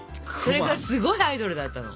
それがすごいアイドルだったの。